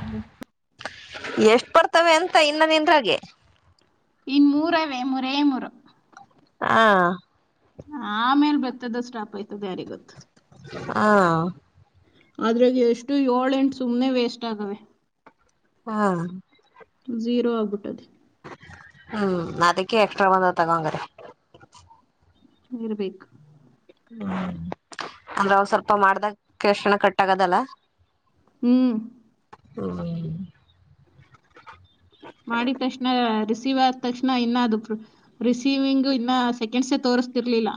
ಹ್ಮ ಎಷ್ಟು ಪಡ್ತವೆ ಅಂತ ಇನ್ನ ನಿಂದ್ರಾಗೆ ಇನ್ ಮೂರವೇ ಮೂರ ಏ ಮೂರು ಹಾ ಆ ಆಮೇಲೆ ಬೆತ್ತದ ಸ್ಟಾಪ್ ಆಯ್ತದ ಯಾರಿ ಗೊತ್ತು ಹಾ ಅದ್ರಾಗ ಎಷ್ಟು ಏಳ ಎಂಟು ಸುಮ್ಮ್ ವೇಸ್ಟ್ ಆಗವ ಹಾ ಜೀರೋ ಆಗ್ಬಿಟ್ಟದೆ ಹ್ಮ್ ಅದಕ್ಕೆ ಎಕ್ಸ್ಟ್ರಾ ಬಂದ ತಗೊಂಗಾರೆ ಇರ್ಬೇಕು ಹ್ಮ್ ಅಂದ್ರೆ ಅವ ಸ್ವಲ್ಪ ಮಾಡ್ದ ಕೆಕ್ಷಣ ಕಟ್ಟಾಗದಲ್ಲ ಹ್ಮ್ ಹ್ಮ ಮಾಡಿದ ತಕ್ಷಣ ರಿಸೀವ್ ಆದ ತಕ್ಷಣ ಇನ್ನ ಅದು ರಿಸೀವಿಂಗ್ ಇನ್ನ ಸೆಕೆಂಡ್ಸ ತೋರ್ ತಿರ್ಲಿಲ್ಲ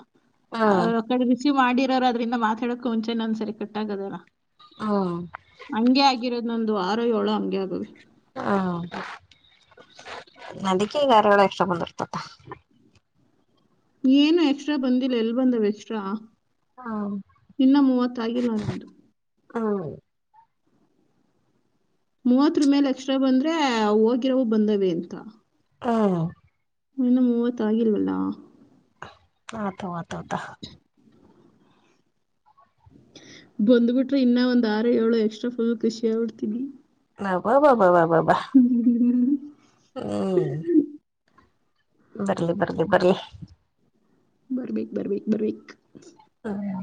ಹ್ಮ್ ಅವ್ರ ಕಡೆ ರಿಸೀವ್ ಮಾಡಿರೋರು ಅದ್ರಿಂದ ಮಾತಾಡಕ್ ಮುಂಚೆನೆ ಒಂದ್ಸರಿ ಕಟ್ಟಾಗದಲ್ಲ ಹ್ಮ ನೊಂದು ವಾರ ಏಳ ಹಂಗೆ ಆಗುವ ಹೌದು ನದಿಕ ಗಾರಗಳು ಎಷ್ಟ ಬಂದಿರ್ತತ್ತ ಏನು ಎಕ್ಸ್ಟ್ರಳಬಂದಿಲ್ಲ ಎಲ್ ಬಂದಾವ ಎಕ್ಸ್ಟ್ ಹ್ಮ್ ಇನ್ನ ಮೂವತ್ತಾಗಿಲ್ಲಾರು ಹಾದು ಮೂವತ್ರ ಮೇಲೆ ಅಕ್ಷರ ಬಂದ್ರೆ ಹೋಗಿರವು ಬಂದವ ಅಂತ ಹಾ ಇನ್ನ ಮೂವತ್ತು ಆಗಿಲ್ವಲ್ಲಾ ಆತ ಆತತ ಬಂದ್ಬಿಟ್ರೆ ಇನ್ನ ಒಂದ್ ಆರು ಏಳು ಎಕ್ಸ್ಟ್ರಫುಲ್ ಖೃಷಿ ಆಡ್ತೀನವಿ ನಾ ಹ್ಮ್ ಬರ್ಲಿ ಬರ್ಲಿ ಬರಲಿ ಬರ್ಬಕ್ ಬರ್ಬಕ್ ಬರ್ಬಕ್ ಹ್ಮ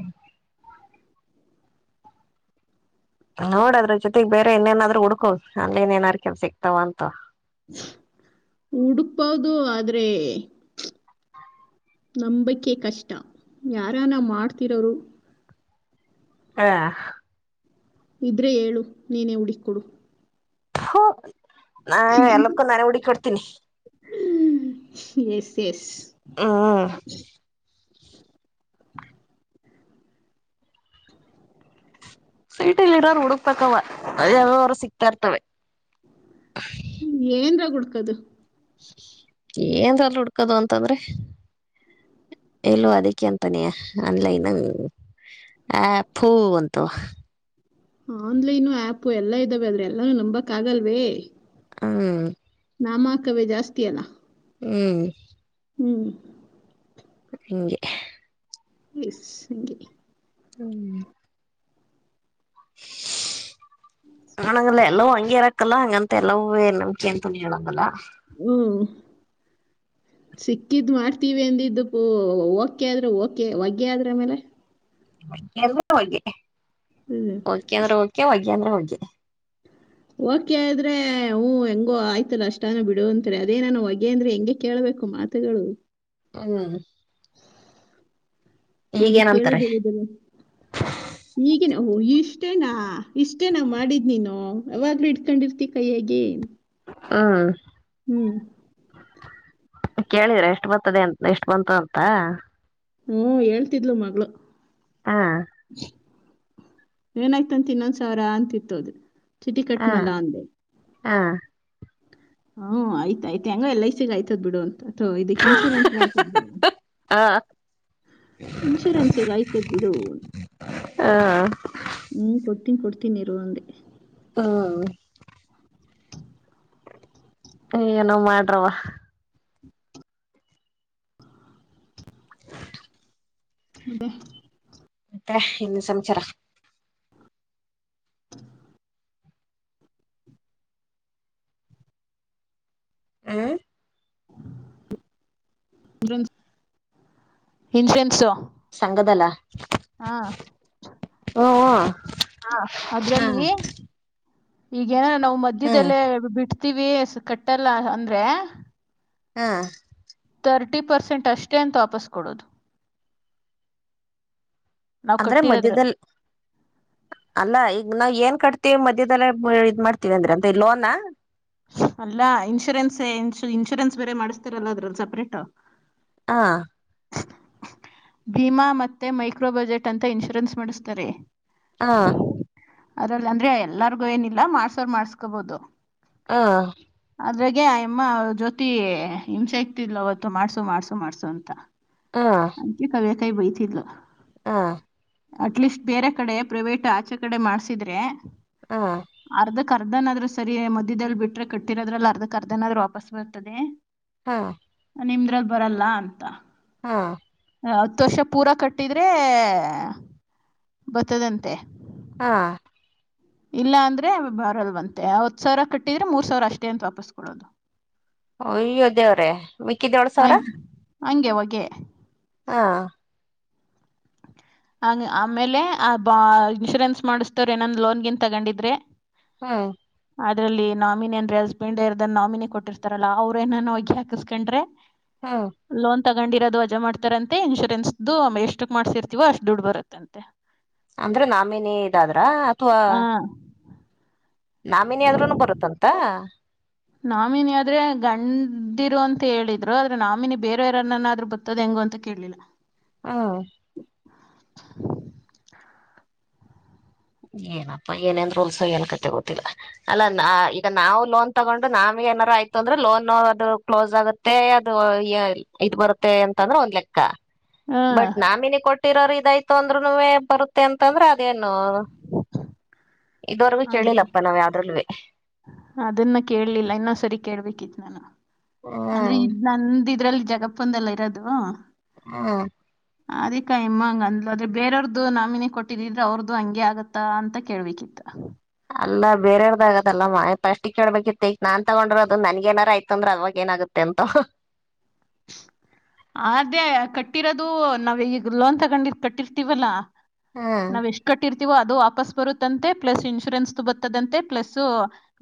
ನೋಡದ್ರ ಜೊತೆಗ್ ಬೇರೆ ಇನ್ನೇನಾದ್ರು ಹಡ್ಕೋದು ಅನನಾರ ಕೆಲ್ ಸಿಕ್ತಾವ ಅಂತ ಹುಡುಕ್ಬೌದು ಆದ್ರೆ ನಂಬಿಕೆ ಕಷ್ಟ ಯಾರಾನ ಮಾಡ್ತಿರೋರು ಹಾ ಇದ್ರೆ ಹೇಳ ನೀನೇ ಹುಡುಕ್ಕ ಕೊಡು ಹ ನ ಎಲ್ಲಕ್ಕೂ ನನೆ ಹುಡಿಕ ಕೊಡ್ತೀನಿ ಎಸ್ ಎಸ್ ಹ್ಮ್ ಸೀಟಿಲ್ಲಿ ಇರೋರು ಹುಡುಕ್ಪಕ್ಕವ ಯಾವರು ಸಿಕ್ತಾ ಇರ್ತವೆ ಏನ್ರ ಹುಡ್ಕದು ಏನ್ ಹುಡ್ಕದು ಅಂತಂದ್ರೆ ಎಲ್ಲೋ ಅದಕ್ಕೆ ಅಂತಾನಯ ಆನ್ಲೈನ್ಂಗ ಆ ಪೂಂತು ಆನ್ಲೈನು ಆಪ್ ಎಲ್ಲಾ ಇದ್ದಾವೆ ಆದದ್ರ ಎಲ್ಲಾನೂ ನಂಬಕ್ ಆಗಲ್ವೇ ಹ್ಮ್ ನಾಮಕವೇ ಜಾಸ್ತಿಯಲ್ಲ ಹ್ಮ್ ಹ್ಮ್ ಹಗೆ ಎ ನಿಗೆ ಹ್ಮ್ ನಂಗಲ್ಲ ಎಲ್ಲವೂ ಹಂಗಗೆ ಇರಕ್ಕಲ್ಲ ಹಂಗಂತ ಎಲ್ಲವ ನಂಬಿಕೆ ಅಂತೂ ನೀ ಹೇಳಂಗಲ್ಲ ಹ್ಮ್ ಸಿಕ್ಕಿದ್ ಮಾಡ್ತೀವಿ ಅಂದಿದ್ದ ಪು ಓಕೆ ಆದ್ರೆ ಓಕೆ ಒಗ್ಗೆ ಆದ್ರಮೇಲೆ ಹ್ಮ್ ಓಕೆ ಅಂದ್ರೆ ಓಕೆ ಹಗೆ ಅಂದ್ರೆ ಹಗೆ ಕಿದ್ರೆ ಹ್ ಹೆಂಗೋ ಆಯ್ತಲ್ಲ ಅಷ್ಟಾನ ಬಿಡು ಅಂತಾರೆ ಅದೇ ನಾನು ಹೊಗೆ ಅಂದ್ರೆ ಹೆಂಗಗೆ ಕೇಳ್ಬೇಕು ಕಕು ಮಾತಗಳು ಹ ಅದು ಕೇಳೋದ ಈಗೇನಂತಾರೆ ಹೇಳಿದಿಲ್ಲ ಈಗಿನ ಓ ಇಷ್ಟೇನಾ ಇಷ್ಟೇ ನ ಮಾಡಿದ್ ನೀನು ಯಾವಾಗ್ಲೂ ಹಡ್ಕೊಂಡಿರ್ತಿ ಕೈಯಗೇ ಹ್ಮ್ ಹ್ಮ್ ಕೇಳಿದರ ಎಷ್ಟು ಬತದೆ ಅ ಎಷ್ಟು ಬಂತು ಅಂತ ಹ್ಮ ಹೇಳ್ತಿದ್ಲು ಮಗಳು ಹಾ ಏನಾಯ್ತಂತ ಇನ್ನೊಂದ್ ಸಾವಿರ ಅಂತಿತ್ತೋದು ಚಿಟ ಹಾ ಕಟ್ನಲ್ಲ ಒಂದೆ ಹಾ ಹ್ಮ್ ಆಯ್ತಯ್ತ ಹೆಂಗ ಎಲ್ ಐ ಸಿಗ ಆಯ್ತದ್ ಬಿಡುಂತ ಅಥ್ವಾ ಇದಕ್ ಇನ್ಶೂರೆನ್ಸ್ಗ ಆಯ್ತದ್ ಬಿಡು ಹ ಇನ್ಶೂರೆನ್ಸ್ಗ ಆಯ್ತದ ಬಿಡ ಹ್ಮ ಕೊ ಕೊಡ್ತೀನಿರು ಒಂದೆ ಹಾ ಏನೋ ಮಾಡ್ರವ ಡ ಮತ್ತೆ ಇನ್ನು ಸಂಚಾರ ಹ ಇನ್ಸುರೆನ್ಸು ಸಂಗದಲ್ಲ ಹಾ ಓ ಹ ಹಾ ಈಗೇನಾರ ನಾವು ಮಧ್ಯದಲ್ಲೇ ಬಿಡ್ತೀವಿ ಕಟ್ಟೆಲ್ಲ ಅಂದ್ರೆ ಹಾ ತರ್ಟಿ ಪರ್ಸೆಂಟ್ ಅಷ್ಟೇ ಅಂತ ವಾಪಸ್ ಕೊಡೋದು ನಾವು ಅಂದ್ರೆ ಕಟ್ಟಿರೋದ್ರಲ್ಲಿ ಮಧ್ಯ್ಯದಲ್ಲಿ ಅಲ್ಲ ಈಗ ನಾವ ಏನ್ ಕಟ್ ಮತ್ತೆ ಮಧ್ಯದಲ್ಲಿ ಇದ್ ಮಾಡ್ತೀವಿ ಅಂದ್ರೆ ಅಂತ ಲೋನಾ ಅಲ್ಲ ಇನ್ಶೂರೆನ್ಸ್ ಇ ಇನ್ಶೂರೆನ್ಸ್ ಬೇರೆ ಮಾಡಿಸಸ್ತರಲ್ಲ ಅದ್ರಲ್ಲಿ ಸಪ್ರೇಟ್ ಹಾ ಭೀಮಾ ಮತ್ತೆ ಮೈಕ್ರೋ ಬಜೆಟ್ ಅಂತ ಇನ್ಶೂರೆನ್ಸ್ ಮಾಡಿಸ್ತಾರೆ ಹಾ ಅದಲ್ಲ ಅಂದ್ರೆ ಎಲ್ಲಾರ್ಗು ಏನಿಲ್ಲ ಮಾಡ್ಸೋರ್ ಮಾಡ್ಸ್ಕೊಬೋದು ಹಾ ಅದ್ರಾಗ ಆ ಎಮ್ಮ ಅವ ಜೊತಿ ಹಿಂಸೆ ಇಗ್ತಿಲ್ ಅವತ್ತು ಮಾಡ್ಸು ಮಾಡ್ಸು ಮಾಡ್ಸು ಅಂತ ಹಾ ಕ ಬೈ ಇಲ್ಲ ಹಾ ಅಟ್ಲೀಸ್ಟ್ ಬೇರೆ ಕಡೆ ಪ್ರೈವೇಟ್ ಆಚೆ ಕಡೆ ಮಾಡ್ಸಿದ್ರೆ ಹ ಕರ್ದನ್ ಆದ್ರೂ ಸರಿ ಮದ್ದಲ್ ಬಿಟ್ರೆ ಕಟ್ಟಿರೋದ್ರಲ್ಲಿ ಅರ್ಧ ಕರ್ದನ ಆದೂ ವಾಪಸ್ ಬರ್ತದೆ ಹಾ ನಿಮ್ರಲ್ಲಿ ಬರಲ್ಲ ಅಂತ ಹಾ ಹತ್ತು ವರ್ಷ ಪೂರ ಕಟ್ಟಿದ್ರೆ ಬರ್ತದಂತೆ ಹಾ ಇಲ್ಲ ಅಂದ್ರೆ ಬಾರಲ್ ಬಂತೆ ಅವಾವತ್ ಸಾವಿರ ಕಟ್ಟಿದ್ರೆ ಮೂರ್ ಸಾವಿರ ಅಷ್ಟೇ ಅಂತ ವಾಪಸ್ ಕೊಡೋದು ಕ ದೋಳ ಸಾವಿರ ಹಂಗಗೆ ಒಗೆ ಹಾ ಹಂಗ ಆಮೇಲೆ ಆ ಬಾ ಇನ್ಶೂರೆನ್ಸ್ ಮಾಡಿಸತವ್ರ ಏನೊಂದ್ ಲೋನ್ಗಿನ್ ತಗೊಂಡಿದ್ರೆ ಹಾ ಅದ್ರಲ್ಲಿ ನಾಮಿನಿ ಅಂದ್ರೆ ಹಸ್ಬೆಂಡ್ ಎರ್ದ ನಾಮಿನಿ ಕೊಟ್ಟಿರ್ತಾರಲ್ಲ ಅವ್ರ ಏನಾನೋ ಒಗ್ಗಿಾಕಸ್ಕಂಡ್ರೆ ಹಾ ತಗೊಂಡಿರೋದು ಅಜ ಮಾಡ್ತಾರ ಅಂತೆ ಇನ್ಶೂರೆನ್ಸ್್ದು ಎಷ್ಟಕ್ ಮಾಡ್ಸಿರ್ತೀವೋ ಅಷ್ಟ್ ದುಡ್ಡು ಬರುತ್ತಂತೆ ಅಂದ್ರೆ ನಾಮೇಿನೇ ಇದಾದ್ರ ಅಥವಾ ಆ ನಾಮಿನ ಆದ್ರೂನು ಬರುತ್ತಂತ ನಾಮಿನಿ ಆದ್ರೆ ಗಂಡಿರು ಅಂತ ಹೇಳಿದ್ರು ಆದ್ರೆ ನಾಮಿನಿ ಬೇರವಾರನ್ನನ್ನಾದ್ರರು ಬೊತ್ತದ್ ಹೆಂಗ ಅಂತ ಕೇಲಿಲ್ಲ ಹ್ಮ್ ಏನಪ್ಪಾ ಏನೇನ್ ರೂಲ್ಸ ಏನ್ ಕತೆ ಗೊತ್ತಿಲ್ಲ ಅಲ್ಲಾ ಈಗ ನಾವು ಲೋನ್ ತಗೊಂಡು ನಾವೇ ಏನಾರ ಆಯ್ತು ಅಂದ್ರೆ ಲೋನ್ ಅದು ಕ್ಲೋಸ್ ಆಗುತ್ತೆ ಅದು ಇದದು ಬರುತ್ತೆ ಅಂತಂದ್ರೆ ಒಂದ್ ಲೆಕ್ಕ ಆ ಬಟ್ ನಾಮಿನಿ ಕೊಟ್ಟಿರೋರು ಇದಾಯ್ತು ಅಂದ್ರುನು ಬರುತ್ತೆ ಅಂತಂದ್ರೆ ಅದೇನು ಇದವರೆಗೂ ಅದ್ ಕೇಳಿಲ್ಲಪ್ಪಾ ನಾವ್ ಯಾವ್ದ್ರಲ್ೂ ಅದನ್ನ ಕೇಳಲಿಲ್ಲ ಇನ್ನೊ ಸರಿ ಕೇಳ್ಬೇಕಿತ್ತು ನಾನು ಅಂದ್ರೆ ಹ್ಮ್ ಇದ್ ನಂದ ಇದ್ರಲ್ಲಿ ಜಗಪ್ಪಂದೆಲ್ಲ ಇರೋದು ಹಾ ಅದಿಕ ಇಮ್ಮಂಗ ಅಂದ್ ಆದ್ರೆ ಬೇರವ್ರದು ನಾಮಿನಿ ಕೊಟ್ಟಿದಿದ್ರೆ ಅವ್ರದು ಹಂಗಗೆ ಆಗತ್ತ ಅಂತ ಕೇಳ್ಬೇಕಿತ್ತ ಅಲ್ಲ ಬೇರೆಯವದ್ದ ಆಗದಲ್ಲ ಮಫಸ್ಟ್ಕ್ ಕೇಳ್ಬೇಕಿತ್ತು ಈಗ ನಾನ್ ತಗೊಂಡ್ರರು ಅದು ನನ್ ಏನಾರಯ್ತ ಅಂದ್ರೆ ಅವಾಗ ಏನಾಗುತ್ತೆ ೆಂತ ಆದೇ ಕಟ್ಟಿರೋದು ನಾವ್ ಈಗ ಲೋನ್ ತಗೊಂಡಿ ಕಟ್ಟಿರ್ತೀವಲ್ಲಾ ಹ್ಮ್ ನಾವ್ ಎಷ್ಟ್ ಕಟ್ಟಿರ್ ಅದು ವಾಪಸ್ ಬರುತ್ತಂತೆ ಪ್ಲಸ್ ಇನ್ಶೂರೆನ್ಸ್ದು ಬತ್ತದಂತೆ ಪ್ಲಸ್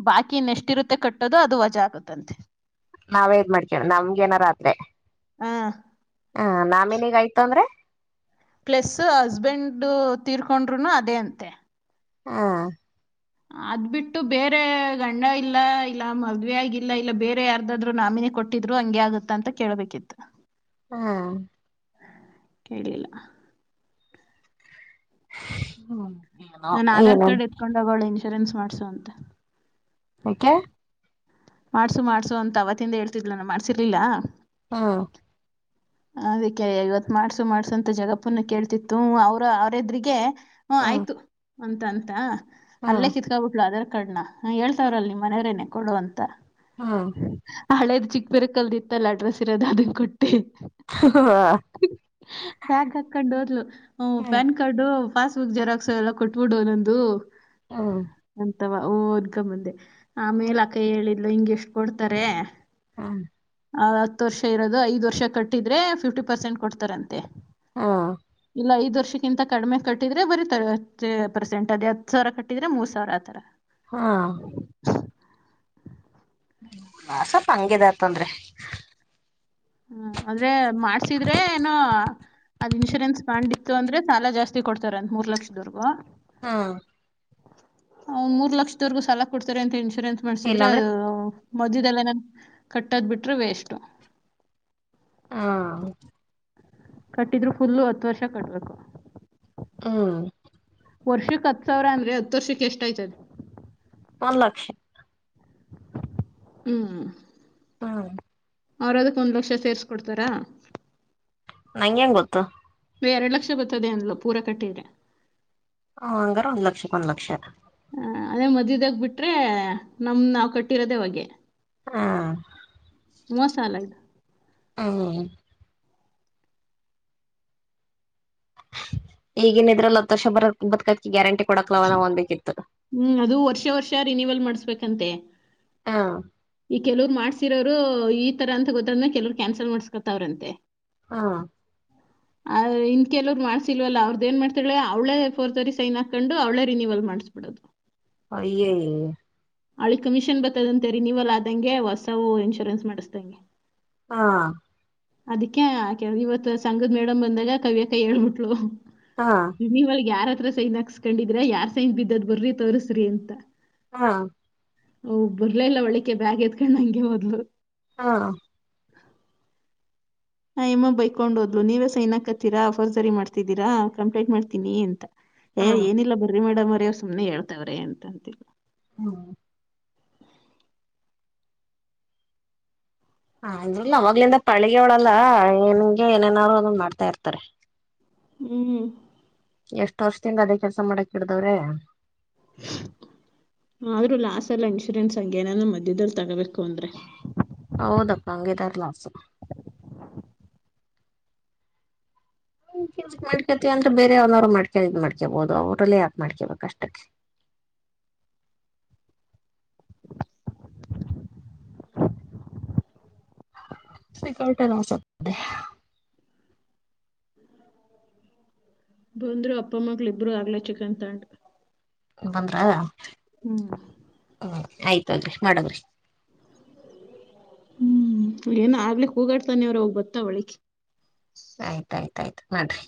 ಬಾಕಿ ಇನ್ನು ಎಷ್ಟ ಇರುತ್ತೆ ಕಟ್ಟ ಟ್ಟೋದು ಅದು ವಜಾ ಆಗುತ್ತಂತೆ ನಾವೇದ್ ಮಾಡ್ಕೇಣ ನಮ್ಗೆನರದ್ರೆ ಹ ಹ ನಾಮೇನೀಗೆ ಆಯ್ತು ಅಂದ್ರೆ ಪ್ಲಸ್ ಹಸ್ಬೆಂಡ್ ತೀರ್ಕೊಂಡ್ರುನು ಅದೇ ಅಂತೆ ಹ್ಮ್ ಅದ್ ಬಿಟ್ಟು ಬೇರೆ ಗಂಡ ಇಲ್ಲ ಇಲ್ಲ ಮದ್ವೆ ಆಗಲ್ಲ ಇಲ್ಲ ಬೇರೆ ಯಾರ್ದಾದ್ರು ನಾಮಿನೀ ಕೊಟ್ಟಿದ್ರು ಹಂಗೆ ಆಗುತ್ತ ಅಂತ ಕೇಳ್ಬೇಕಿತ್ತು ಹಾ ಕೇಳಲಿಲ್ಲ [inaudible] ನನ್ ಆಧಾರ್ ಏನೋ ಕಾರ್ಡ್ ಎತ್ಕೊಂಡು ಹೋಗೋಳ ಇನ್ಶೂರೆನ್ಸ್ ಮಾಡ್ಸು ಅಂತ ಯಾಕೆ ಮಾಡ್ಸು ಮಾಡ್ಸು ಅಂತ ಅವತ್ತಿಂದ ಹೇಳ್ತಿದ್ಲ ನಾನ್ ಮಾಡ್ಸಿರ್ಲಿಲ್ಲ ಹು ಅದಕ್ಕೆ ಇವತ್ ಮಾಡ್ಸು ಮಾಡ್ಸು ಅಂತ ಜಗಪ್ಪನ ಕೇಳ್ತಿತ್ತು ಅವ್ರ ಎದುರಿಗೆ ಹ ಹಾ ಆಯ್ತು ಅಂತ ಅಂತ ಹಾ ಅಲ್ಲೇ ಕಿತ್ಕಾಬಿಟ್ಲು ಆಧಾರ್ ಕಾರ್ಡ್ ಹ ಹೇಳ್ತಾವ್ರರಲ್ ನಿಮ್ಮ ಮನವರೇನೆ ಕೊಡು ಅಂತ ಹಾ ಚಿಕ್ ಬೇರೆ ಕಲ್ದಿತ್ತಲ್ಲ ಅಡ್ರಸ್ ಇರೋದು ಅದನ್ ಕೊಟ್ಟಿ ಹಾ ಬ್ಯಾಗ್ ಹಾಕೊಂಡು ಹೋದ್ಲು ಹು ಹ್ಮ್ ಪ್ಯಾನ್ ಕಾರ್ಡು ಪಾಸ್ಬುಕ್ ಜೆರಾಕ್ಸ್ ಎಲ್ಲ ಕೊಟ್ಬಿಡು ನಂದು ಹ್ಮ್ ತವಾ ಓ ಅದ್ಕ ಮುಂದೆ ಆಮೇಲ ಅಕೈ ಹೇಳಿದ್ಲು ಹಿಂಗಗೆ ಎಷ್ಟು ಕೊಡ್ತಾರೆ ಹ್ಮ್ ಹತ್ತು ವರ್ಷ ಇರೋದು ಐದು ವರ್ಷ ಕಟ್ಟಿದರೆ ಫಿಫ್ಟಿ ಪರ್ಸೆಂಟ್ ಕೊಡ್ತಾರಂತೆ ಹಾ ಇಲ್ಲ ಐದು ವರ್ಷ ಕ್ಕಿಂತ ಕಡಿಮೆ ಕಟ್ಟಿದ್ರೆ ಬರ ಪರ್ಸೆಂಟ್ ಅದ್ ಹತ್ತು ಸಾವಿರ ಕಟ್ಟಿದ್ರೆ ಮೂರ್ ಸಾವಿರ ಆತರ ಹಾ ಸ್ವಲ್ಪ ಹಂಗಿದತಂದ್ರೆ ಹ್ಮ ಆದ್ರೆ ಮಾಡ್ಸಿದ್ರೆ ಏನೋ ಅದ ಇನ್ಶೂರೆನ್ಸ್ ಬ್ಯಾಂಡ್ ಇತ್ತು ಅಂದ್ರೆ ಸಾಲ ಜಾಸ್ತಿ ಕೊಡ್ತಾರೆ ಅಂದ್ ಮೂರ್ ಲಕ್ಷದವರ್ಗೂ ಹ್ಮ್ ಹ್ಮ್ ಮೂರ್ ಲಕ್ಷದವರ್ಗೂ ಸಾಲ ಕೊಡ್ತಾರೆ ಅಂತೆ ಇನ್ಶೂರೆನ್ಸ್ ಮಾಡ್ಸಿದ್ರೆ ಇಲ್ಲಾಂದ್ರೆ ಅ ಮದ್ಯದಲ್ಲಿ ಏನಾದ್ರು ಕಟ್ಟೋದ್ ಬಿಟ್ರೆ ವೇಸ್ಟ್ ಹಾ ಕಟ್ಟಿದ್ರು ಫುಲ್ಲು ಹತ್ತು ವರ್ಷ ಕಟ್ಬೇಕು ಹ್ಮ್ ವರ್ಷಕ್ಕೆ ಹತ್ ಸಾವಿರ ಅಂದ್ರೆ ಹತ್ತು ವರ್ಷಕ್ಕೆ ಎಷ್ಟ ಆಯ್ತದೆ ಒಂದ್ ಲಕ್ಷ ಹ್ಮ್ ಹ್ಮ್ ಅವ್ರ ಅದಕ್ಕ ಒಂದ್ ಲಕ್ಷ ಸೇರ್ಸ್ಕೊಡ್ತಾರಾ ನನ್ಗೆ ಹೆಂಗ್ ಗೊತ್ತು ನೀ ಎರಡು ಲಕ್ಷ ಬರ್ತ್ತದೆ ಅಂದ್ಲ ಪೂರ ಕಟ್ಟಿದ್ರೆ ಹ ಹಂಗಾರ ಒಂದು ಲಕ್ಷಕ್ಕೆ ಒಂದ್ ಲಕ್ಷ ಆ ಅದೇ ಮದ್ಯದಾಗ್ ಬಿಟ್ರೆ ನಮ್ ನಾವ್ ಕಟ್ಟಿರೋದೆೇ ಹೊಗೆ ಹಾ ಮೋಸ ಅಲ್ಲ ಹ್ಮ್ ಈಗನ್ ಇದ್ರಲ್ಲ ಹತ್ತು ವರ್ಷ ಬರಂಬತ್ಕಾಕಿ ಗ್ಯಾರಂಟಿ ಕೊಡಕ್ಲವ ನ್ ಅಂದಬೇಕಿತ್ತು. ಹ್ಮ್ ಅದು ವರ್ಷ ವರ್ಷ ರಿನುವಲ್ ಮಾಡಸ್ಬೇಕಂತೆ ಹ ಈಗ್ ಕೆಲವರು ಮಾಡ್ಸಿರೋರು ಈ ತರ ಅಂತ ಗೊತ್ತನ ಕೆಲವರು ಕ್ಯಾನ್ಸಲ್ ಮಾಡಸ್ಕೊತವ್ರಂತೆ. ಹಾ. [inaudible] ಇಂನ್ ಕೆಲವ್ರರು ಮಾಡ್ಸಲ್ವಲ್ಲ ಅವ್ರದ ೇನು ಮಾಡ್ತಾಳ ಅವಳೇ ಫೋರ್ರಿ ಸೈನ್ ಹಾಕ್ಕೊಂಡು ಅವಳೇರಿಯವಲ್ ಮಾಡ್ಸ್ [inaudible] ಅಯ್ಯಯ್ಯ. ಅವಳಿ ಕಮಿಷನ್ ಬರ್ತದಂತೆ ರಿನಿವಲ್ ಆದಂಗೆ ಹೊಸವು ಇನ್ಶೂರೆನ್ಸ್ ಮಾಡಿಸ್ದಂಗೆ. ಹಾ. ಅದಕ್ಕೆ ಕ ಇವತ್ ಸಂಗದ್ ಮೇಡಮ್ ಬಂದಲ್ಲ ಕವಿಯಕ್ಕ ಹೇಳ್ಬಿಟ್ಳಲು. ಹಾ ನೀವಲ್ಗೆ ಯಾರತ್ರ ಸೈನ್ ಹಾಕ್ಸ್ಕೊಂಡಿದ್ರ ಯಾರ್ ಸೈನ್ ಬಿದ್ದದ್ ಬರ್ರಿ ತೋರ್ಸ್ರಿ ಅಂತ. ಹಾ. ಬರ್ಲ ಇಲ್ಲ ಒಳ್ಳಿಕೆ ಬ್ಯಾಗ್ ಏತಕೊಂಡ ಹಂಗೆ ಹೋದ್ಲು. ಹಾ. [inaudible] ಹ ಎಮ್ಮ ಬೈಕೊಂಡ ಹೋದ್ಲು ನೀವೆಸ ಏನ್ಕತ್ತೀರಾಫರ್ಜರಿ ಮಾಡ್ತಿದ್ದೀರಾ ಕಂಪ್ಲೇಂಟ್ ಮಾಡ್ತೀನಿ ಅಂತ. ಏ ಹಾ ಏನಿಲ್ಲ ಬರ್ರಿ ಮೇಡಮ್ ಅವರ ಸುಮ್ನೆ ಹೇಳ್ತವ್ರೆ ಅಂತಂತಿಲ್ಲ. ಹ್ಮ. ಹ ಇದ್ರಲ್ಲ ಅವಾಗ್ಲಿಂದ ಪಳಿಗೆ ಅವಳಲ್ಲಾ ಏನ್ಗೆ ಏನೇನಾದಾರರು ಅದನ್ ಮಾಡ್ತಾ ಇರ್ತಾರೆ. ಹ್ಮ್. ಎಷ್ಟ್ ವರ್ಷದಿಂದ ಅದೇ ಕೆಲ್ಸ ಮಾಡಕ್ ಇಡ್ದವ್ರೆ. [inaudible] ಆದ್ರೂ ಲಾಸ್ ಎಲ್ಲ ಇನ್ಶೂರೆನ್ಸ್ ಹಂಗ ಏನಾದಾರ ಮಧ್ಯದದಲ್ಲಿ ತಗೋಬೇಕು ಅಂದ್ರೆ. ಹೌದಪ್ಪ ಹಂಗಿದಾರ್ ಲಾಸ್. ಮಾಡ್ಕತಿ ಅಂದ್ರೆ ಬೇರೆ ಅವನವ್ರು ಮಾಡ್ಕ ಇದ ಮಾಡ್ಕೇಬೋದು ಅವ್ರಲ್ಲೇ ಯಾಕ ಮಾಡ್ಕೇಕ್ ಅಷ್ಟಕ್ಕೆ. [inaudible] [unintelligible] ಬಂದ್ರು ಅಪ್ಪ ಮಗಳಿಬ್ಬರು ಆಗ್ಲೇ ಚಿಕನ್ ತಂಡ. ಬಂದ್ರಾ. ಹ್ಮ್. ಹ ಆಯ್ತಲ್ರಿ ಮಡಗ್ರಿ. ಹ್ಮ್ ಏನ ಆಗ್ಲಿಕ್ ಹೋಗಾಡ್ತಾನೆ ಅವ್ರ ಅವ ಬತ್ತಾವಳಿಕ್. ಆಯ್ತಾಯ್ತಾಯ್ತು ಮಾಡ್ರಿ.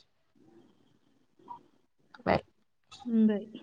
ಬಾಯ್. ಹ್ಮ ಬಾಯ.